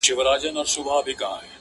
په دې پانوس کي نصیب زر ځله منلی یمه-